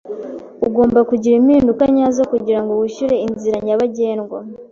Ugomba kugira impinduka nyazo kugirango wishyure inzira nyabagendwa.